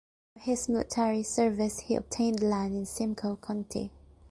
For his military service he obtained land in Simcoe County.